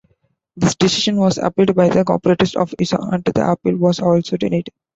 This decision was appealed by the operators of isoHunt; the appeal was also denied.